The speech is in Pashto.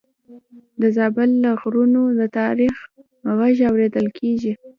د زابل له غرونو د تاریخ غږ اورېدل کېږي.